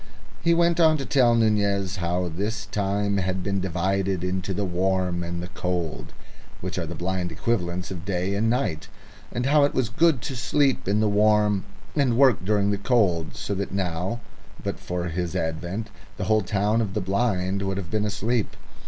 He went on to tell Nunez how this time had been divided into the warm and the cold, which are the blind equivalents of day and night, and how it was good to sleep in the warm and work during the cold, so that now, but for his advent, the whole town of the blind would have been asleep.